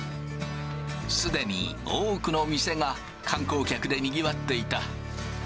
すでに多くの店が観光客でにぎわっていた。